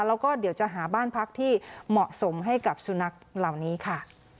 แล้วก็เดี๋ยวจะหาบ้านพักที่เหมาะสมให้กับสุนัขเหล่านี้ค่ะ